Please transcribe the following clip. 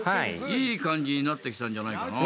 いい感じになってきたんじゃないかな。